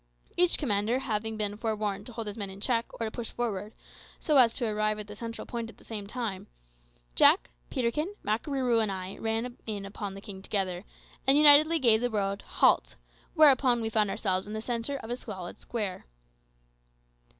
Each commander having been forewarned to hold his men in check, or to push forward, so as to arrive at the central point at the same moment, Jack, Peterkin, Makarooroo, and I ran in upon the king together, and unitedly gave the word "Halt!" whereupon we found ourselves in the centre of a solid square.